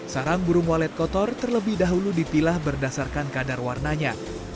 sarang burung walet kotor terlebih dahulu dipilah berdasarkan kadar warnanya